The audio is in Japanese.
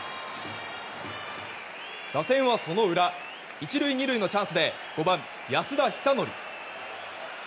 打線は、その裏１塁２塁のチャンスで５番、安田尚憲。